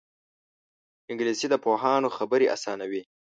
انګلیسي د پوهانو خبرې اسانوي